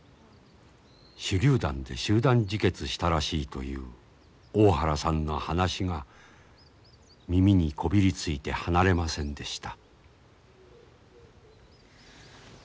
手りゅう弾で集団自決したらしいという大原さんの話が耳にこびりついて離れませんでした。